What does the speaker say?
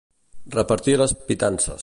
Repartir les pitances.